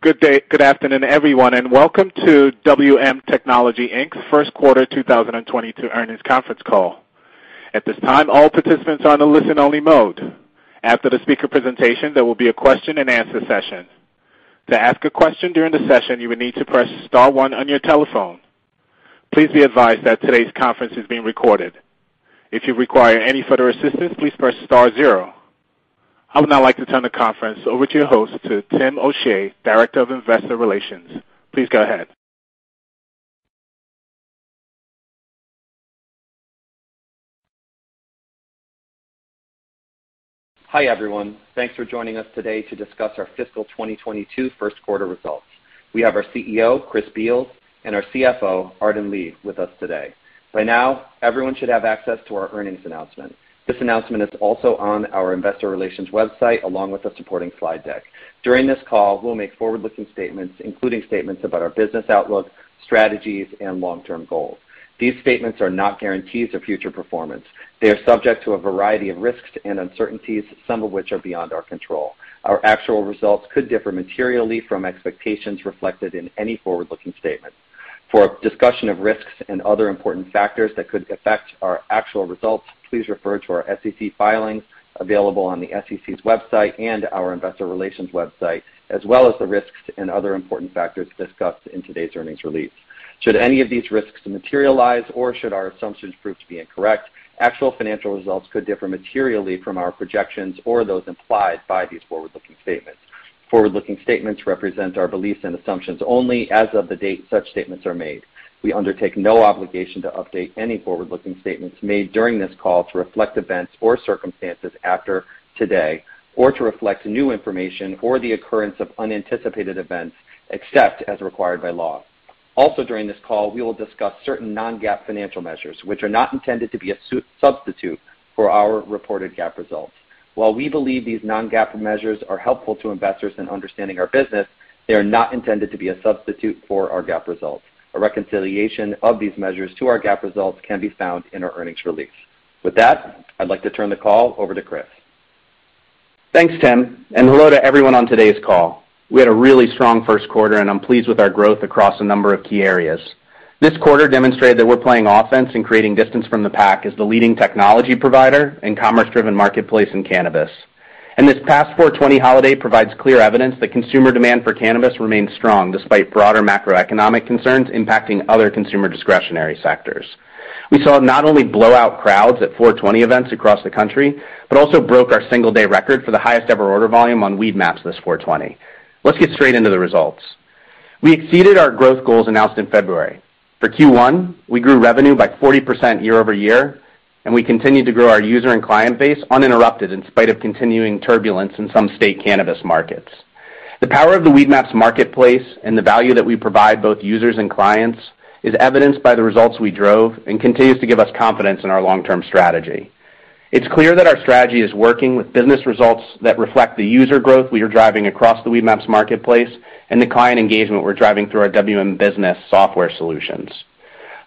Good day. Good afternoon, everyone, and welcome to WM Technology, Inc.'s first quarter 2022 earnings conference call. At this time, all participants are on a listen-only mode. After the speaker presentation, there will be a question-and-answer session. To ask a question during the session, you will need to press star one on your telephone. Please be advised that today's conference is being recorded. If you require any further assistance, please press star zero. I would now like to turn the conference over to your host, to Tim O'Shea, Director of Investor Relations. Please go ahead. Hi, everyone. Thanks for joining us today to discuss our fiscal 2022 first quarter results. We have our CEO, Chris Beals, and our CFO, Arden Lee, with us today. By now, everyone should have access to our earnings announcement. This announcement is also on our investor relations website, along with the supporting slide deck. During this call, we'll make forward-looking statements, including statements about our business outlook, strategies, and long-term goals. These statements are not guarantees of future performance. They are subject to a variety of risks and uncertainties, some of which are beyond our control. Our actual results could differ materially from expectations reflected in any forward-looking statements. For a discussion of risks and other important factors that could affect our actual results, please refer to our SEC filings available on the SEC's website and our investor relations website, as well as the risks and other important factors discussed in today's earnings release. Should any of these risks materialize or should our assumptions prove to be incorrect, actual financial results could differ materially from our projections or those implied by these forward-looking statements. Forward-looking statements represent our beliefs and assumptions only as of the date such statements are made. We undertake no obligation to update any forward-looking statements made during this call to reflect events or circumstances after today or to reflect new information or the occurrence of unanticipated events, except as required by law. Also during this call, we will discuss certain non-GAAP financial measures, which are not intended to be a substitute for our reported GAAP results. While we believe these non-GAAP measures are helpful to investors in understanding our business, they are not intended to be a substitute for our GAAP results. A reconciliation of these measures to our GAAP results can be found in our earnings release. With that, I'd like to turn the call over to Chris. Thanks, Tim, and hello to everyone on today's call. We had a really strong first quarter, and I'm pleased with our growth across a number of key areas. This quarter demonstrated that we're playing offense and creating distance from the pack as the leading technology provider in commerce-driven marketplace in cannabis. This past 4/20 holiday provides clear evidence that consumer demand for cannabis remains strong despite broader macroeconomic concerns impacting other consumer discretionary sectors. We saw not only blowout crowds at 4/20 events across the country, but also broke our single-day record for the highest ever order volume on Weedmaps this 4/20. Let's get straight into the results. We exceeded our growth goals announced in February. For Q1, we grew revenue by 40% year-over-year, and we continued to grow our user and client base uninterrupted in spite of continuing turbulence in some state cannabis markets. The power of the Weedmaps marketplace and the value that we provide both users and clients is evidenced by the results we drove and continues to give us confidence in our long-term strategy. It's clear that our strategy is working with business results that reflect the user growth we are driving across the Weedmaps marketplace and the client engagement we're driving through our WM Business software solutions.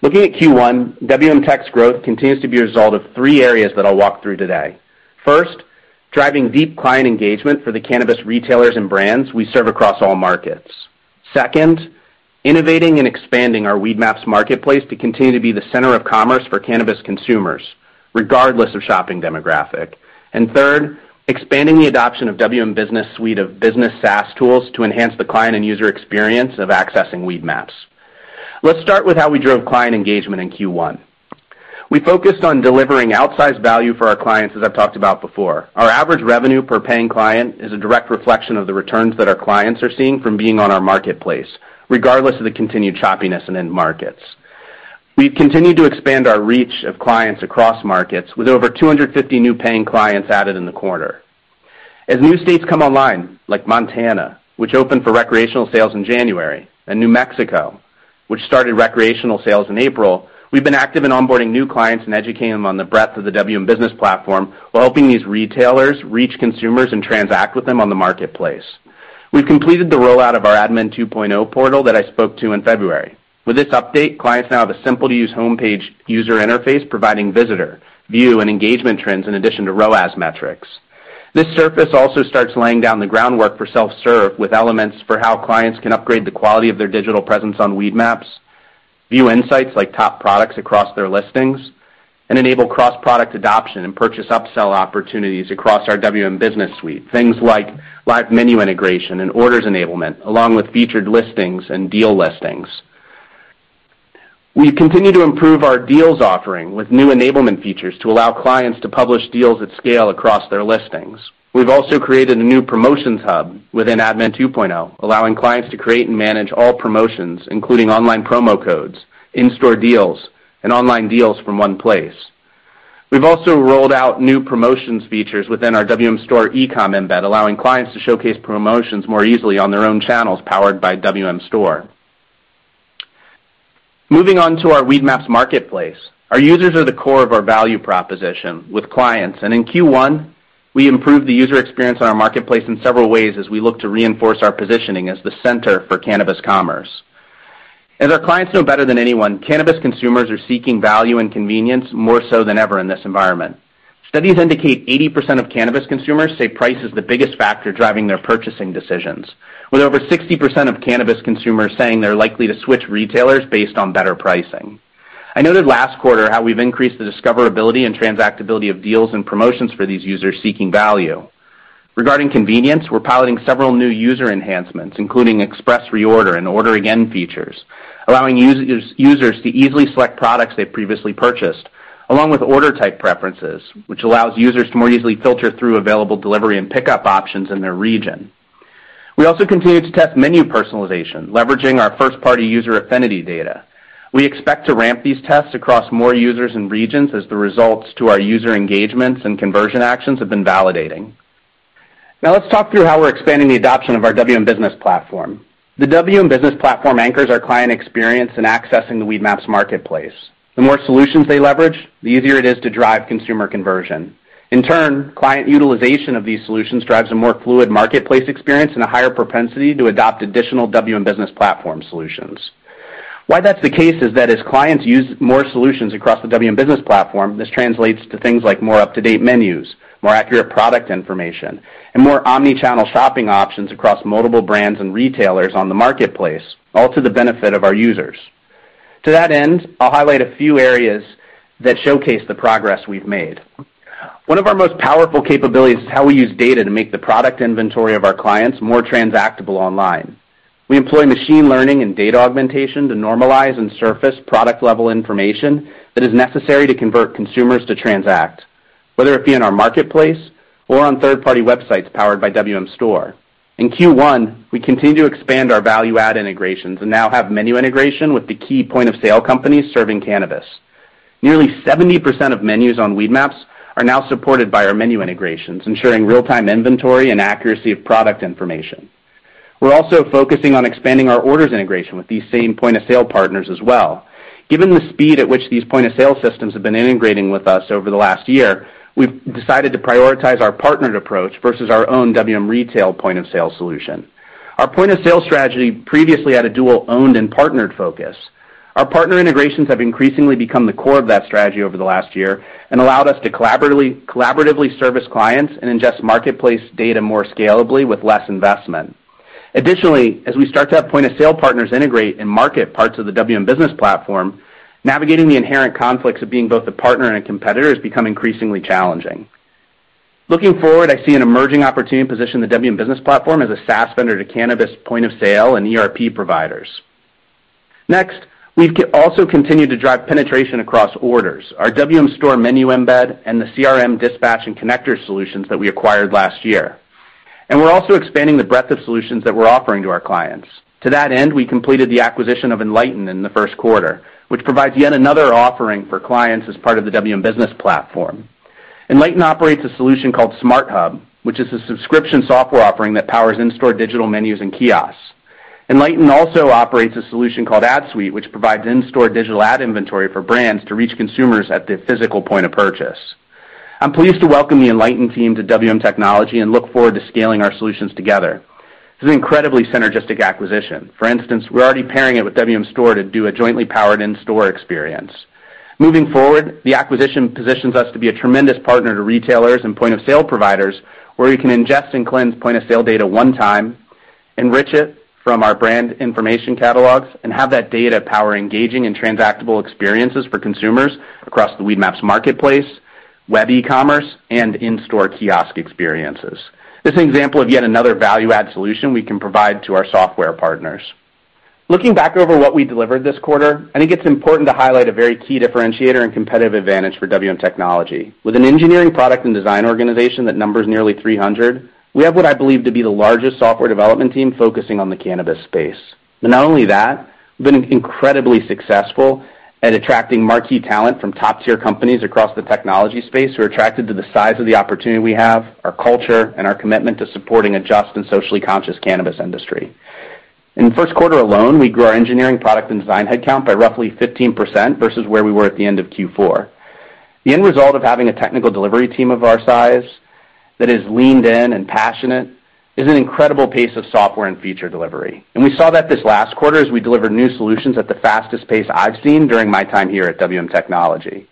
Looking at Q1, WM Tech's growth continues to be a result of three areas that I'll walk through today. First, driving deep client engagement for the cannabis retailers and brands we serve across all markets. Second, innovating and expanding our Weedmaps marketplace to continue to be the center of commerce for cannabis consumers, regardless of shopping demographic. Third, expanding the adoption of WM Business suite of business SaaS tools to enhance the client and user experience of accessing Weedmaps. Let's start with how we drove client engagement in Q1. We focused on delivering outsized value for our clients, as I've talked about before. Our average revenue per paying client is a direct reflection of the returns that our clients are seeing from being on our marketplace, regardless of the continued choppiness in end markets. We've continued to expand our reach of clients across markets with over 250 new paying clients added in the quarter. As new states come online, like Montana, which opened for recreational sales in January, and New Mexico, which started recreational sales in April, we've been active in onboarding new clients and educating them on the breadth of the WM Business platform while helping these retailers reach consumers and transact with them on the marketplace. We've completed the rollout of our Admin 2.0 portal that I spoke to in February. With this update, clients now have a simple-to-use homepage user interface providing visitor view and engagement trends in addition to ROAS metrics. This surface also starts laying down the groundwork for self-serve with elements for how clients can upgrade the quality of their digital presence on Weedmaps, view insights like top products across their listings, and enable cross-product adoption and purchase upsell opportunities across our WM Business suite. Things like live menu integration and orders enablement, along with Featured Listings and Deal Listings. We continue to improve our deals offering with new enablement features to allow clients to publish deals at scale across their listings. We've also created a new promotions hub within Admin 2.0, allowing clients to create and manage all promotions, including online promo codes, in-store deals, and online deals from one place. We've also rolled out new promotions features within our WM Store eCom embed, allowing clients to showcase promotions more easily on their own channels powered by WM Store. Moving on to our Weedmaps marketplace. Our users are the core of our value proposition with clients. In Q1, we improved the user experience on our marketplace in several ways as we look to reinforce our positioning as the center for cannabis commerce. As our clients know better than anyone, cannabis consumers are seeking value and convenience more so than ever in this environment. Studies indicate 80% of cannabis consumers say price is the biggest factor driving their purchasing decisions, with over 60% of cannabis consumers saying they're likely to switch retailers based on better pricing. I noted last quarter how we've increased the discoverability and transactability of deals and promotions for these users seeking value. Regarding convenience, we're piloting several new user enhancements, including express reorder and order again features, allowing users to easily select products they've previously purchased, along with order type preferences, which allows users to more easily filter through available delivery and pickup options in their region. We also continue to test menu personalization, leveraging our first-party user affinity data. We expect to ramp these tests across more users and regions as the results of our user engagements and conversion actions have been validated. Now let's talk through how we're expanding the adoption of our WM Business platform. The WM Business platform anchors our client experience in accessing the Weedmaps marketplace. The more solutions they leverage, the easier it is to drive consumer conversion. In turn, client utilization of these solutions drives a more fluid marketplace experience and a higher propensity to adopt additional WM Business platform solutions. Why that's the case is that as clients use more solutions across the WM Business platform, this translates to things like more up-to-date menus, more accurate product information, and more omni-channel shopping options across multiple brands and retailers on the marketplace, all to the benefit of our users. To that end, I'll highlight a few areas that showcase the progress we've made. One of our most powerful capabilities is how we use data to make the product inventory of our clients more transactable online. We employ machine learning and data augmentation to normalize and surface product-level information that is necessary to convert consumers to transact, whether it be on our marketplace or on third-party websites powered by WM Store. In Q1, we continue to expand our value-add integrations and now have menu integration with the key point-of-sale companies serving cannabis. Nearly 70% of menus on Weedmaps are now supported by our menu integrations, ensuring real-time inventory and accuracy of product information. We're also focusing on expanding our orders integration with these same point-of-sale partners as well. Given the speed at which these point-of-sale systems have been integrating with us over the last year, we've decided to prioritize our partnered approach versus our own WM Retail point-of-sale solution. Our point-of-sale strategy previously had a dual owned and partnered focus. Our partner integrations have increasingly become the core of that strategy over the last year and allowed us to collaboratively service clients and ingest marketplace data more scalably with less investment. Additionally, as we start to have point-of-sale partners integrate and market parts of the WM Business platform, navigating the inherent conflicts of being both a partner and a competitor has become increasingly challenging. Looking forward, I see an emerging opportunity to position the WM Business platform as a SaaS vendor to cannabis point-of-sale and ERP providers. Next, we've also continued to drive penetration across orders, our WM Store menu embed, and the CRM dispatch and connector solutions that we acquired last year. We're also expanding the breadth of solutions that we're offering to our clients. To that end, we completed the acquisition of Enlighten in the first quarter, which provides yet another offering for clients as part of the WM Business platform. Enlighten operates a solution called SmartHub, which is a subscription software offering that powers in-store digital menus and kiosks. Enlighten also operates a solution called AdSuite, which provides in-store digital ad inventory for brands to reach consumers at the physical point of purchase. I'm pleased to welcome the Enlighten team to WM Technology and look forward to scaling our solutions together. It's an incredibly synergistic acquisition. For instance, we're already pairing it with WM Store to do a jointly powered in-store experience. Moving forward, the acquisition positions us to be a tremendous partner to retailers and point-of-sale providers, where we can ingest and cleanse point-of-sale data one time, enrich it from our brand information catalogs, and have that data power engaging and transactable experiences for consumers across the Weedmaps marketplace, web e-commerce, and in-store kiosk experiences. This is an example of yet another value-add solution we can provide to our software partners. Looking back over what we delivered this quarter, I think it's important to highlight a very key differentiator and competitive advantage for WM Technology. With an engineering product and design organization that numbers nearly 300, we have what I believe to be the largest software development team focusing on the cannabis space. Not only that, we've been incredibly successful at attracting marquee talent from top-tier companies across the technology space who are attracted to the size of the opportunity we have, our culture, and our commitment to supporting a just and socially conscious cannabis industry. In the first quarter alone, we grew our engineering product and design headcount by roughly 15% versus where we were at the end of Q4. The end result of having a technical delivery team of our size that is leaned in and passionate is an incredible pace of software and feature delivery. We saw that this last quarter as we delivered new solutions at the fastest pace I've seen during my time here at WM Technology.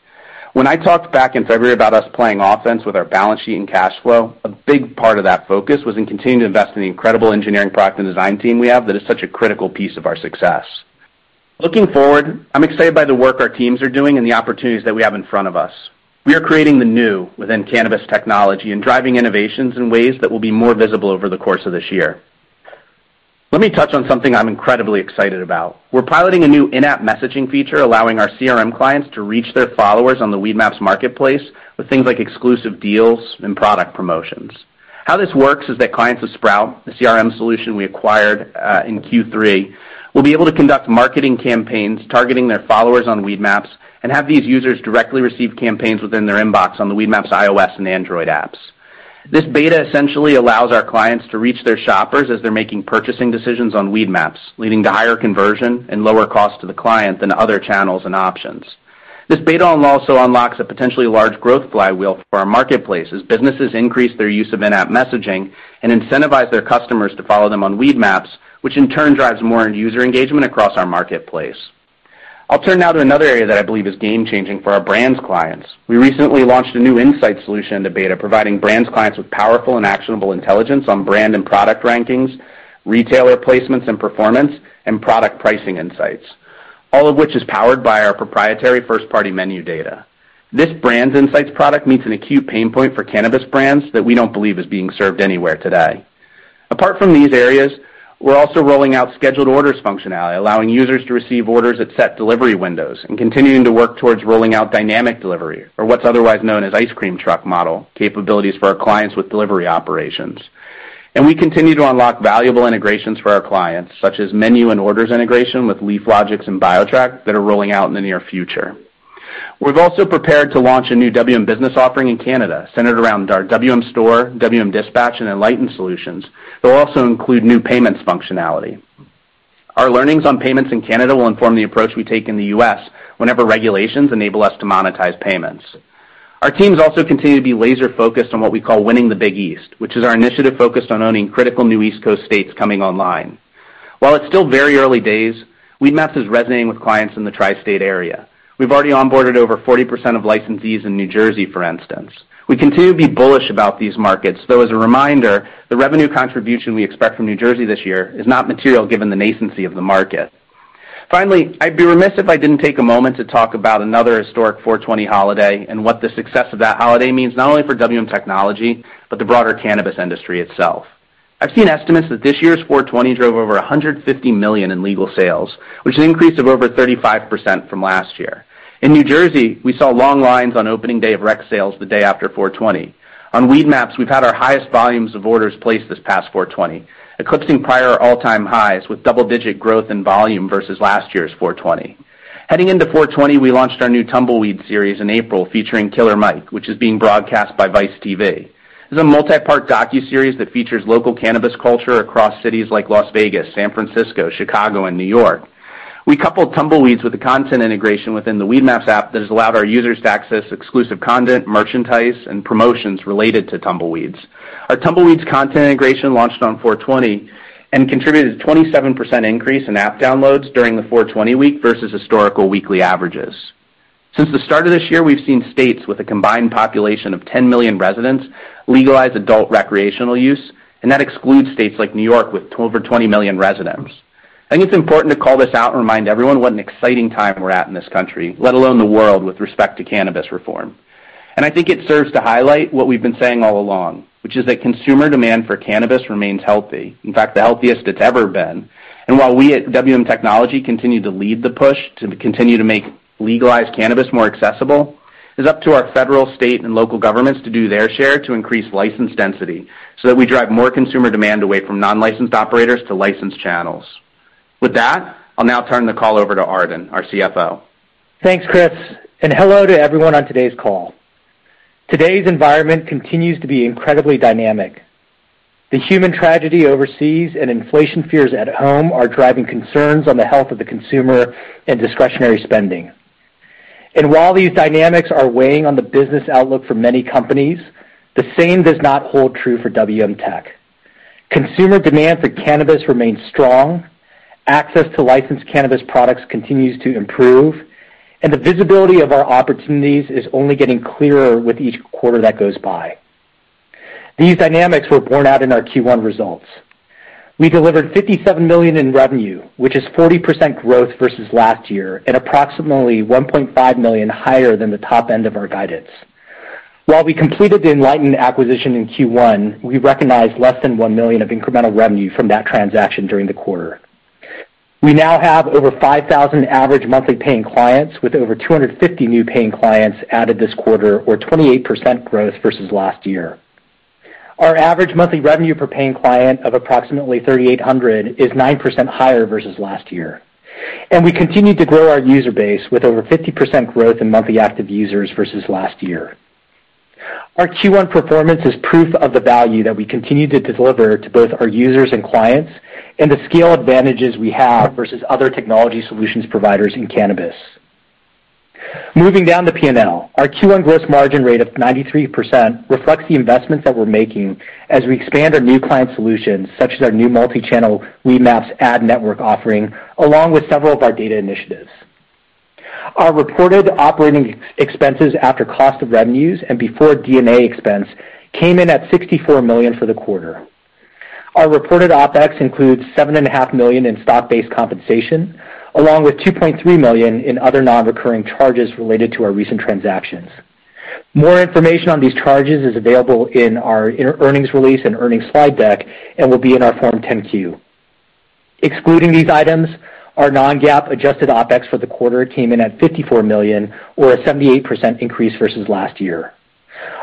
When I talked back in February about us playing offense with our balance sheet and cash flow, a big part of that focus was in continuing to invest in the incredible engineering product and design team we have that is such a critical piece of our success. Looking forward, I'm excited by the work our teams are doing and the opportunities that we have in front of us. We are creating the new within cannabis technology and driving innovations in ways that will be more visible over the course of this year. Let me touch on something I'm incredibly excited about. We're piloting a new in-app messaging feature allowing our CRM clients to reach their followers on the Weedmaps marketplace with things like exclusive deals and product promotions. How this works is that clients of Sprout, the CRM solution we acquired, in Q3, will be able to conduct marketing campaigns targeting their followers on Weedmaps and have these users directly receive campaigns within their inbox on the Weedmaps iOS and Android apps. This beta essentially allows our clients to reach their shoppers as they're making purchasing decisions on Weedmaps, leading to higher conversion and lower cost to the client than other channels and options. This beta also unlocks a potentially large growth flywheel for our marketplace as businesses increase their use of in-app messaging and incentivize their customers to follow them on Weedmaps, which in turn drives more end user engagement across our marketplace. I'll turn now to another area that I believe is game-changing for our brands' clients. We recently launched a new insight solution into beta, providing brand clients with powerful and actionable intelligence on brand and product rankings, retailer placements and performance, and product pricing insights, all of which is powered by our proprietary first-party menu data. This brand insights product meets an acute pain point for cannabis brands that we don't believe is being served anywhere today. Apart from these areas, we're also rolling out scheduled orders functionality, allowing users to receive orders at set delivery windows and continuing to work towards rolling out dynamic delivery, or what's otherwise known as ice cream truck model, capabilities for our clients with delivery operations. We continue to unlock valuable integrations for our clients, such as menu and orders integration with LeafLogix and BioTrack that are rolling out in the near future. We've also prepared to launch a new WM Business offering in Canada, centered around our WM Store, WM Dispatch, and Enlighten solutions. They'll also include new payments functionality. Our learnings on payments in Canada will inform the approach we take in the U.S. whenever regulations enable us to monetize payments. Our teams also continue to be laser-focused on what we call Winning the Big East, which is our initiative focused on owning critical new East Coast states coming online. While it's still very early days, Weedmaps is resonating with clients in the tri-state area. We've already onboarded over 40% of licensees in New Jersey, for instance. We continue to be bullish about these markets, though as a reminder, the revenue contribution we expect from New Jersey this year is not material given the nascency of the market. Finally, I'd be remiss if I didn't take a moment to talk about another historic 4/20 holiday and what the success of that holiday means not only for WM Technology, but the broader cannabis industry itself. I've seen estimates that this year's 4/20 drove over $150 million in legal sales, which is an increase of over 35% from last year. In New Jersey, we saw long lines on opening day of REC sales the day after 4/20. On Weedmaps, we've had our highest volumes of orders placed this past 4/20, eclipsing prior all-time highs with double-digit growth in volume versus last year's 4/20. Heading into 4/20, we launched our new Tumbleweeds series in April featuring Killer Mike, which is being broadcast by Vice TV. This is a multi-part docuseries that features local cannabis culture across cities like Las Vegas, San Francisco, Chicago, and New York. We coupled Tumbleweeds with the content integration within the Weedmaps app that has allowed our users to access exclusive content, merchandise, and promotions related to Tumbleweeds. Our Tumbleweeds content integration launched on 4/20 and contributed a 27% increase in app downloads during the 4/20 week versus historical weekly averages. Since the start of this year, we've seen states with a combined population of 10 million residents legalize adult recreational use, and that excludes states like New York with over 20 million residents. I think it's important to call this out and remind everyone what an exciting time we're at in this country, let alone the world, with respect to cannabis reform. I think it serves to highlight what we've been saying all along, which is that consumer demand for cannabis remains healthy. In fact, the healthiest it's ever been. While we at WM Technology continue to lead the push to continue to make legalized cannabis more accessible, it's up to our federal, state, and local governments to do their share to increase license density so that we drive more consumer demand away from non-licensed operators to licensed channels. With that, I'll now turn the call over to Arden, our CFO. Thanks, Chris, and hello to everyone on today's call. Today's environment continues to be incredibly dynamic. The human tragedy overseas and inflation fears at home are driving concerns on the health of the consumer and discretionary spending. While these dynamics are weighing on the business outlook for many companies, the same does not hold true for WM Tech. Consumer demand for cannabis remains strong. Access to licensed cannabis products continues to improve, and the visibility of our opportunities is only getting clearer with each quarter that goes by. These dynamics were borne out in our Q1 results. We delivered $57 million in revenue, which is 40% growth versus last year and approximately $1.5 million higher than the top end of our guidance. While we completed the Enlighten acquisition in Q1, we recognized less than $1 million of incremental revenue from that transaction during the quarter. We now have over 5,000 average monthly paying clients with over 250 new paying clients added this quarter or 28% growth versus last year. Our average monthly revenue per paying client of approximately $3,800 is 9% higher versus last year. We continue to grow our user base with over 50% growth in monthly active users versus last year. Our Q1 performance is proof of the value that we continue to deliver to both our users and clients and the scale advantages we have versus other technology solutions providers in cannabis. Moving down the P&L, our Q1 gross margin rate of 93% reflects the investments that we're making as we expand our new client solutions, such as our new multi-channel Weedmaps ad network offering, along with several of our data initiatives. Our reported operating expenses after cost of revenues and before D&A expense came in at $64 million for the quarter. Our reported OpEx includes $7.5 million in stock-based compensation, along with $2.3 million in other non-recurring charges related to our recent transactions. More information on these charges is available in our earnings release and earnings slide deck and will be in our Form 10-Q. Excluding these items, our non-GAAP adjusted OpEx for the quarter came in at $54 million, or a 78% increase versus last year.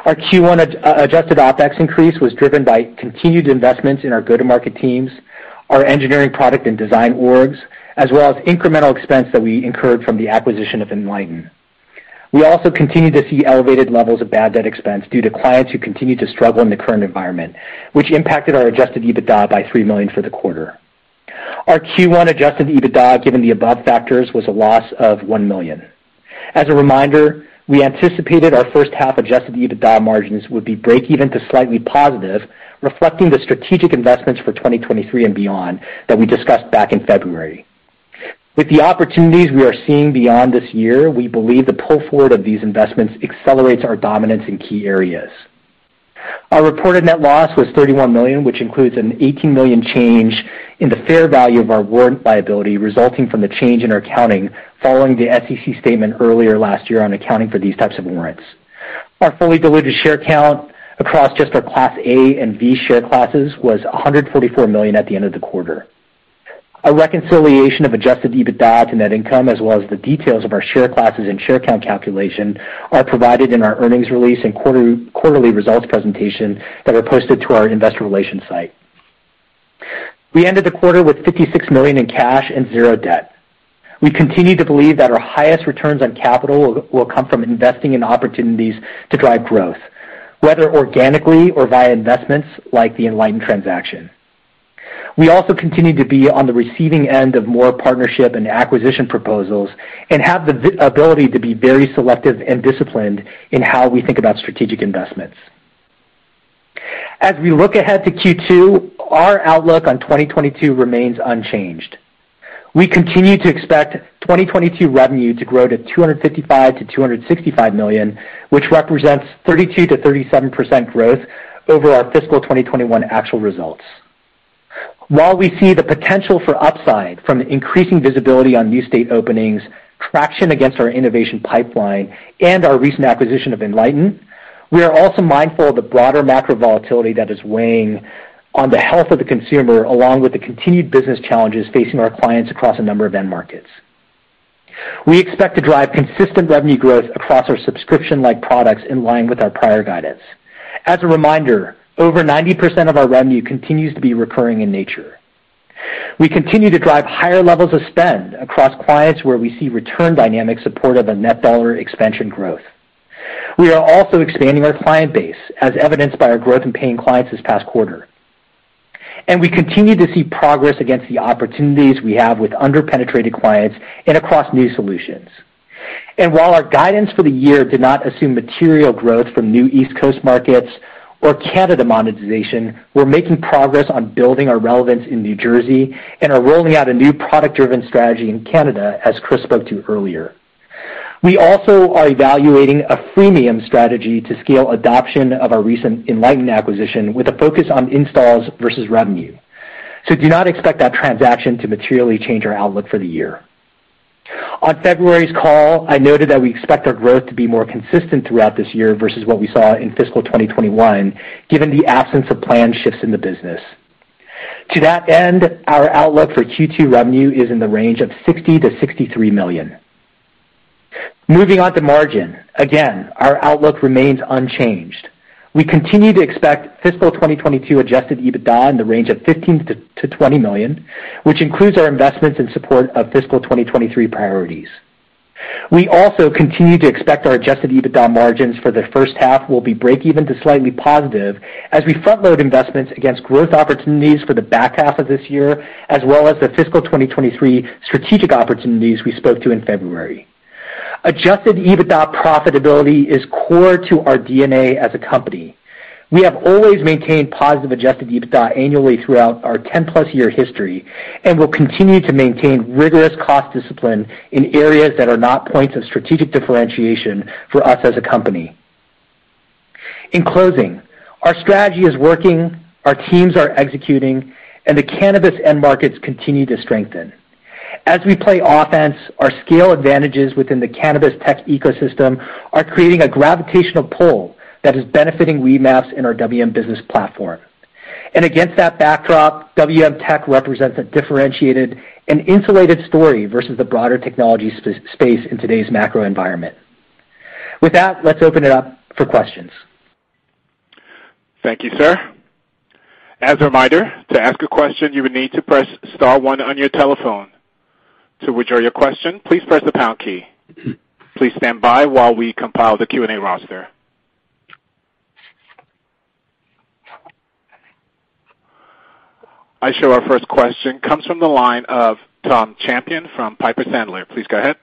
Our Q1 as-adjusted OpEx increase was driven by continued investments in our go-to-market teams, our engineering product and design orgs, as well as incremental expense that we incurred from the acquisition of Enlighten. We also continue to see elevated levels of bad debt expense due to clients who continue to struggle in the current environment, which impacted our adjusted EBITDA by $3 million for the quarter. Our Q1 adjusted EBITDA, given the above factors, was a loss of $1 million. As a reminder, we anticipated our first half adjusted EBITDA margins would be breakeven to slightly positive, reflecting the strategic investments for 2023 and beyond that we discussed back in February. With the opportunities we are seeing beyond this year, we believe the pull forward of these investments accelerates our dominance in key areas. Our reported net loss was $31 million, which includes an $18 million change in the fair value of our warrant liability resulting from the change in our accounting following the SEC statement earlier last year on accounting for these types of warrants. Our fully diluted share count across just our Class A and V share classes was 144 million at the end of the quarter. A reconciliation of adjusted EBITDA to net income, as well as the details of our share classes and share count calculation, are provided in our earnings release and quarterly results presentation that are posted to our investor relations site. We ended the quarter with $56 million in cash and zero debt. We continue to believe that our highest returns on capital will come from investing in opportunities to drive growth, whether organically or via investments like the Enlighten transaction. We also continue to be on the receiving end of more partnership and acquisition proposals and have the ability to be very selective and disciplined in how we think about strategic investments. As we look ahead to Q2, our outlook on 2022 remains unchanged. We continue to expect 2022 revenue to grow to $255 million-$265 million, which represents 32%-37% growth over our fiscal 2021 actual results. While we see the potential for upside from increasing visibility on new state openings, traction against our innovation pipeline, and our recent acquisition of Enlighten, we are also mindful of the broader macro volatility that is weighing on the health of the consumer, along with the continued business challenges facing our clients across a number of end markets. We expect to drive consistent revenue growth across our subscription-like products in line with our prior guidance. As a reminder, over 90% of our revenue continues to be recurring in nature. We continue to drive higher levels of spend across clients where we see return dynamics supportive of net dollar expansion growth. We are also expanding our client base, as evidenced by our growth in paying clients this past quarter. We continue to see progress against the opportunities we have with under-penetrated clients and across new solutions. While our guidance for the year did not assume material growth from new East Coast markets or Canada monetization, we're making progress on building our relevance in New Jersey and are rolling out a new product-driven strategy in Canada, as Chris spoke to earlier. We also are evaluating a freemium strategy to scale adoption of our recent Enlighten acquisition with a focus on installs versus revenue. Do not expect that transaction to materially change our outlook for the year. On February's call, I noted that we expect our growth to be more consistent throughout this year versus what we saw in fiscal 2021, given the absence of planned shifts in the business. To that end, our outlook for Q2 revenue is in the range of $60 million-$63 million. Moving on to margin. Again, our outlook remains unchanged. We continue to expect fiscal 2022 adjusted EBITDA in the range of $15 million-$20 million, which includes our investments in support of fiscal 2023 priorities. We also continue to expect our adjusted EBITDA margins for the first half will be breakeven to slightly positive as we front-load investments against growth opportunities for the back half of this year as well as the fiscal 2023 strategic opportunities we spoke to in February. Adjusted EBITDA profitability is core to our DNA as a company. We have always maintained positive adjusted EBITDA annually throughout our 10+ year history and will continue to maintain rigorous cost discipline in areas that are not points of strategic differentiation for us as a company. In closing, our strategy is working, our teams are executing, and the cannabis end markets continue to strengthen. As we play offense, our scale advantages within the cannabis tech ecosystem are creating a gravitational pull that is benefiting Weedmaps and our WM Business platform. Against that backdrop, WM Tech represents a differentiated and insulated story versus the broader technology space in today's macro environment. With that, let's open it up for questions. Thank you, sir. As a reminder, to ask a question, you would need to press star one on your telephone. To withdraw your question, please press the pound key. Please stand by while we compile the Q&A roster. I show our first question comes from the line of Tom Champion from Piper Sandler. Please go ahead.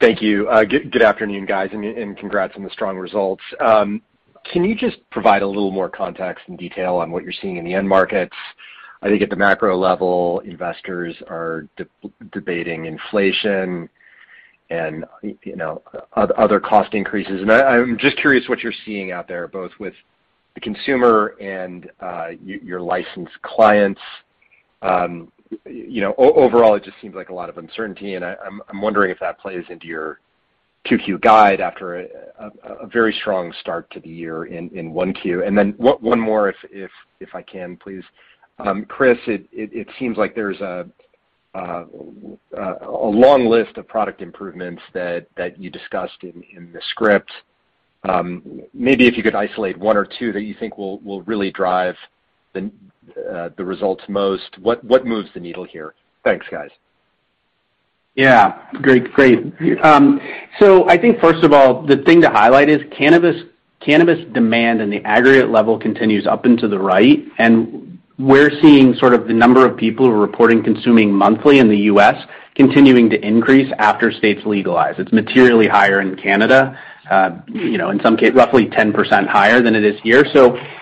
Thank you. Good afternoon, guys, and congrats on the strong results. Can you just provide a little more context and detail on what you're seeing in the end markets? I think at the macro level, investors are debating inflation and, you know, other cost increases. I'm just curious what you're seeing out there, both with the consumer and your licensed clients. You know, overall, it just seems like a lot of uncertainty, and I'm wondering if that plays into your Q2 guide after a very strong start to the year in 1Q. Then one more if I can, please. Chris, it seems like there's a long list of product improvements that you discussed in the script. Maybe if you could isolate one or two that you think will really drive the results most. What moves the needle here? Thanks, guys. Yeah. Great. I think first of all, the thing to highlight is cannabis demand in the aggregate level continues up into the right, and we're seeing sort of the number of people who are reporting consuming monthly in the U.S. continuing to increase after states legalize. It's materially higher in Canada, you know, in some case, roughly 10% higher than it is here.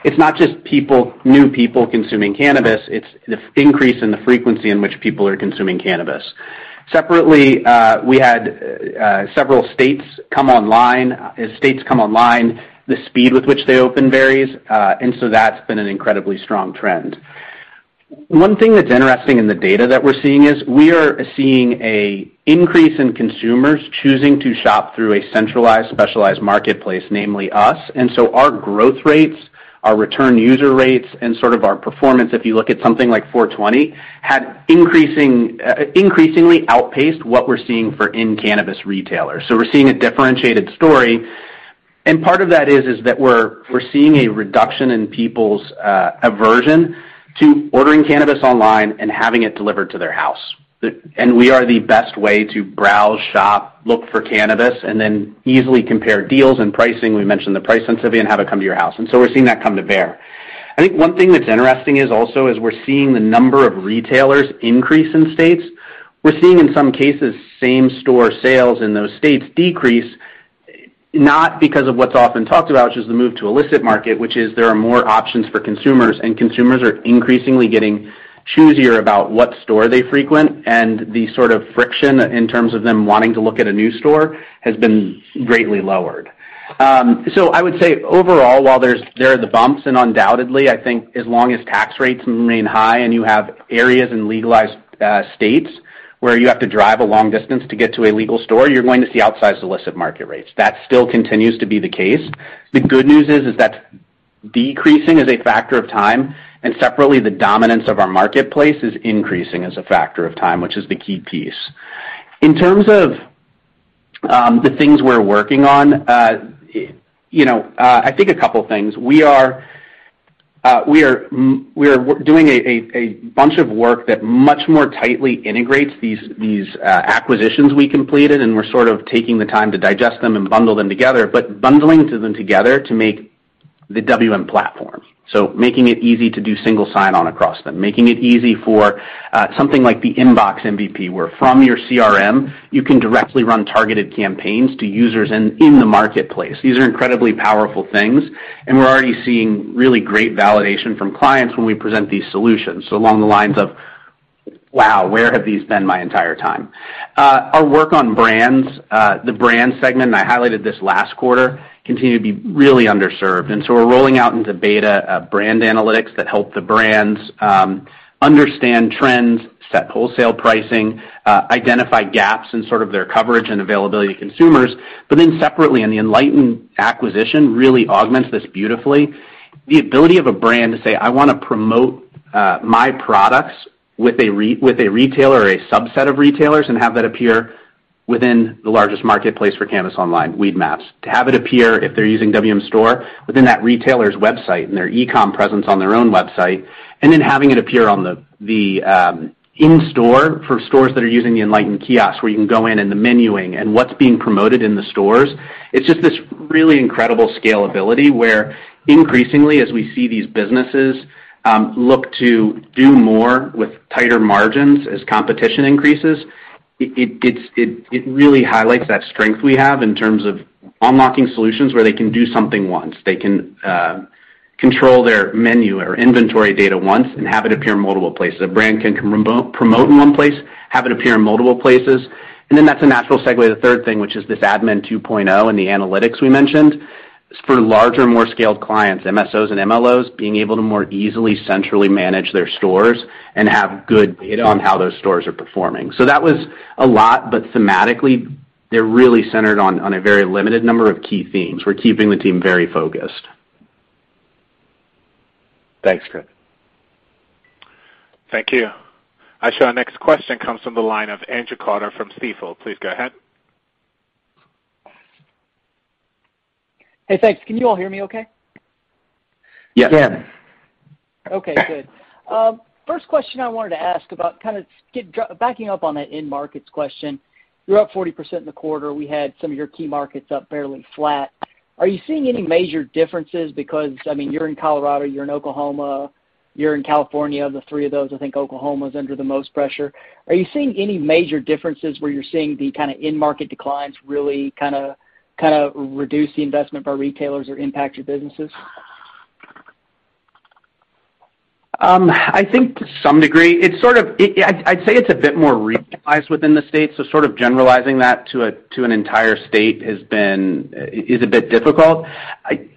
It's not just people, new people consuming cannabis, it's the increase in the frequency in which people are consuming cannabis. Separately, we had several states come online. As states come online, the speed with which they open varies, and so that's been an incredibly strong trend. One thing that's interesting in the data that we're seeing is we are seeing an increase in consumers choosing to shop through a centralized, specialized marketplace, namely us. Our growth rates, our return user rates, and sort of our performance, if you look at something like 4/20, had increasingly outpaced what we're seeing for in-cannabis retailers. We're seeing a differentiated story, and part of that is that we're seeing a reduction in people's aversion to ordering cannabis online and having it delivered to their house. We are the best way to browse, shop, look for cannabis, and then easily compare deals and pricing. We mentioned the price sensitivity and have it come to your house, and so we're seeing that come to bear. I think one thing that's interesting is also we're seeing the number of retailers increase in states. We're seeing in some cases, same store sales in those states decrease, not because of what's often talked about, which is the move to illicit market, which is there are more options for consumers, and consumers are increasingly getting choosier about what store they frequent and the sort of friction in terms of them wanting to look at a new store has been greatly lowered. I would say overall, while there are the bumps, and undoubtedly, I think as long as tax rates remain high and you have areas in legalized states where you have to drive a long distance to get to a legal store, you're going to see outsized illicit market rates. That still continues to be the case. The good news is that decreasing as a factor of time, and separately, the dominance of our marketplace is increasing as a factor of time, which is the key piece. In terms of the things we're working on, you know, I think a couple of things. We are doing a bunch of work that much more tightly integrates these acquisitions we completed, and we're sort of taking the time to digest them and bundle them together to make the WM platform. Making it easy to do single sign on across them, making it easy for something like the Inbox MVP, where from your CRM, you can directly run targeted campaigns to users in the marketplace. These are incredibly powerful things, and we're already seeing really great validation from clients when we present these solutions. Along the lines of, "Wow, where have these been my entire time?" Our work on brands, the brand segment, and I highlighted this last quarter, continue to be really underserved. We're rolling out into beta, brand analytics that help the brands, understand trends, set wholesale pricing, identify gaps in sort of their coverage and availability to consumers but then separately, and the Enlighten acquisition really augments this beautifully. The ability of a brand to say, "I wanna promote, my products with a retailer or a subset of retailers, and have that appear within the largest marketplace for cannabis online, Weedmaps. To have it appear if they're using WM Store within that retailer's website and their e-com presence on their own website, and then having it appear on the in-store for stores that are using the Enlighten kiosk, where you can go in and the menuing and what's being promoted in the stores. It's just this really incredible scalability where increasingly, as we see these businesses look to do more with tighter margins as competition increases, it really highlights that strength we have in terms of unlocking solutions where they can do something once. They can control their menu or inventory data once and have it appear in multiple places. A brand can promote in one place, have it appear in multiple places. That's a natural segue to the third thing, which is this Admin 2.0 and the analytics we mentioned. For larger, more scaled clients, MSOs and MLOs, being able to more easily centrally manage their stores and have good data on how those stores are performing. That was a lot, but thematically, they're really centered on a very limited number of key themes. We're keeping the team very focused. Thanks, [Chris]. Thank you. Our next question comes from the line of Andrew Carter from Stifel. Please go ahead. Hey, thanks. Can you all hear me okay? Yes. Yeah. Okay, good. First question I wanted to ask about kind of backing up on that end markets question, you're up 40% in the quarter. We had some of your key markets up fairly flat. Are you seeing any major differences? Because, I mean, you're in Colorado, you're in Oklahoma, you're in California. Of the three of those, I think Oklahoma's under the most pressure. Are you seeing any major differences where you're seeing the kind of end market declines really kind of reduce the investment by retailers or impact your businesses? I think to some degree, I'd say it's a bit more regionalized within the state, so sort of generalizing that to an entire state is a bit difficult.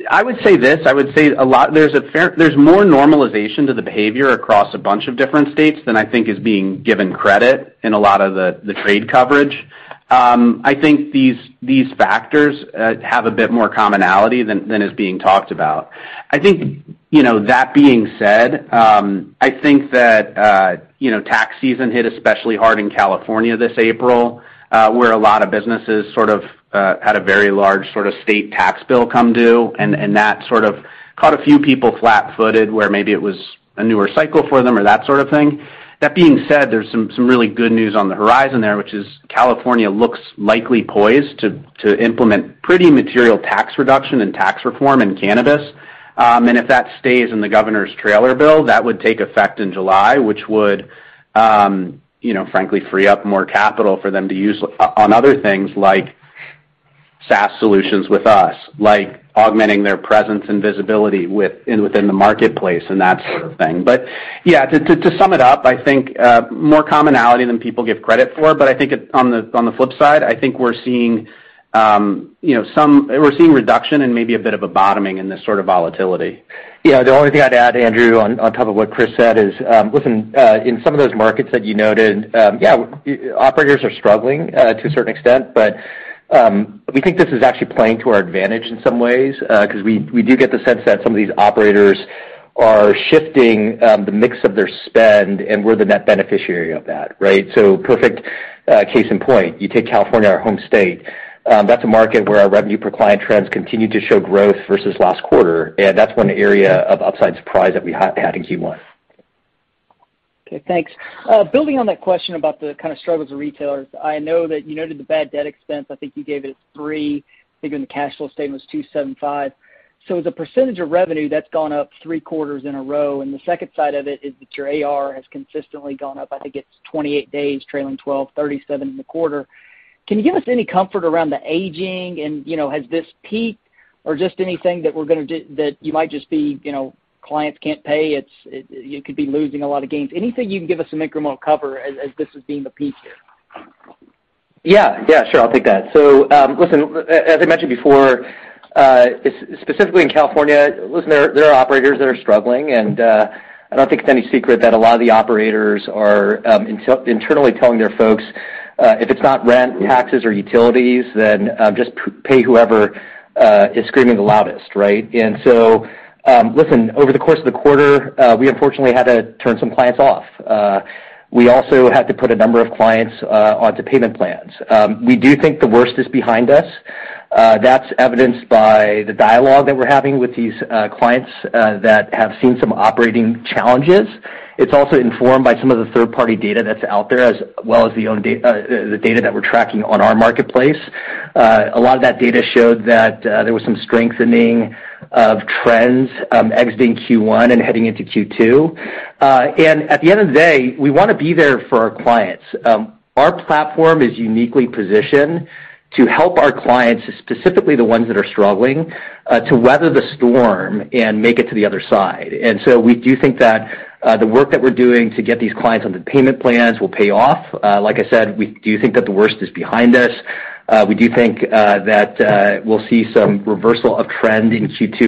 I would say there's more normalization to the behavior across a bunch of different states than I think is being given credit in a lot of the trade coverage. I think these factors have a bit more commonality than is being talked about. I think, you know, that being said, I think that, you know, tax season hit especially hard in California this April, where a lot of businesses sort of had a very large sort of state tax bill come due, and that sort of caught a few people flat-footed where maybe it was a newer cycle for them or that sort of thing. That being said, there's some really good news on the horizon there, which is California looks likely poised to implement pretty material tax reduction and tax reform in cannabis. If that stays in the governor's trailer bill, that would take effect in July, which would, you know, frankly, free up more capital for them to use on other things like SaaS solutions with us, like augmenting their presence and visibility within the marketplace and that sort of thing. Yeah, to sum it up, I think more commonality than people give credit for, but I think it on the flip side, I think we're seeing reduction and maybe a bit of a bottoming in this sort of volatility. Yeah. The only thing I'd add, Andrew, on top of what Chris said is, listen, in some of those markets that you noted, yeah, operators are struggling to a certain extent. We think this is actually playing to our advantage in some ways, 'cause we do get the sense that some of these operators are shifting the mix of their spend, and we're the net beneficiary of that, right? Perfect case in point, you take California, our home state, that's a market where our revenue per client trends continue to show growth versus last quarter, and that's one area of upside surprise that we had in Q1. Okay, thanks. Building on that question about the kinda struggles of retailers, I know that you noted the bad debt expense. I think you gave it $3. I think in the cash flow statement, it was $275. As a percentage of revenue, that's gone up three quarters in a row, and the second side of it is that your AR has consistently gone up. I think it's 28 days, trailing 12, 37 in the quarter. Can you give us any comfort around the aging and, you know, has this peaked or just anything that we're gonna do that you might just be, you know, clients can't pay, it's you could be losing a lot of gains. Anything you can give us some incremental cover as this being the peak here? Yeah. Yeah, sure, I'll take that. As I mentioned before, specifically in California, listen, there are operators that are struggling, and I don't think it's any secret that a lot of the operators are internally telling their folks, if it's not rent, taxes or utilities, then just pay whoever is screaming the loudest, right? Listen, over the course of the quarter, we unfortunately had to turn some clients off. We also had to put a number of clients onto payment plans. We do think the worst is behind us. That's evidenced by the dialogue that we're having with these clients that have seen some operating challenges. It's also informed by some of the third-party data that's out there as well as the data that we're tracking on our marketplace. A lot of that data showed that there was some strengthening of trends exiting Q1 and heading into Q2. At the end of the day, we wanna be there for our clients. Our platform is uniquely positioned to help our clients, specifically the ones that are struggling, to weather the storm and make it to the other side. We do think that the work that we're doing to get these clients onto payment plans will pay off. Like I said, we do think that the worst is behind us. We do think that we'll see some reversal of trend in Q2.